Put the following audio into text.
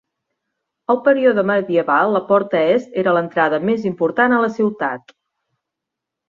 Al període medieval la porta est era l'entrada més important a la ciutat.